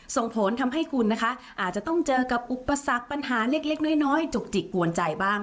ส่งผลทำให้คุณนะคะอาจจะต้องเจอกับอุปสรรคปัญหาเล็กน้อยจุกจิกกวนใจบ้าง